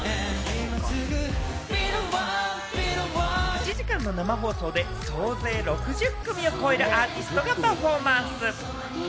８時間の生放送で総勢６０組を超えるアーティストがパフォーマンス。